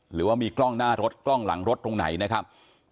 หรือว่ามีกล้องหน้ารถกล้องหลังรถตรงไหนนะครับ